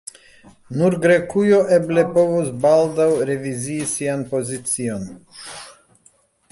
Nur Grekujo eble povus baldaŭ revizii sian pozicion.